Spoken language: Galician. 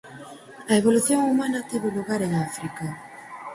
A evolución humana tivo lugar en África.